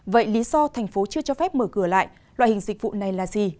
vậy lý do thành phố chưa cho phép mở cửa lại loại hình dịch vụ này là gì